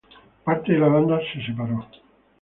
Parte de la banda se separó.